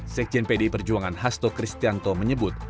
sekjen pdi perjuangan hasto kristianto menyebut